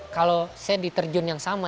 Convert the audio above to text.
kalau saya diterjun yang sama